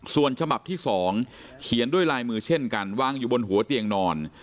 ส่วนฉบับที่๒เขียนด้วยลายมือเช่นกันวางอยู่บนหัวเตียงนอน